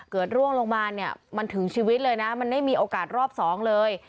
ร่วงลงมาเนี่ยมันถึงชีวิตเลยนะมันไม่มีโอกาสรอบสองเลย